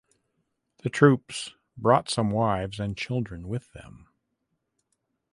The troops brought some wives and children with them.